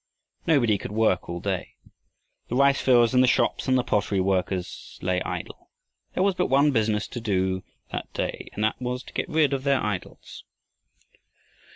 Nobody could work all day. The rice fields and the shops and the pottery works lay idle. There was but one business to do that day, and that was to get rid of their idols.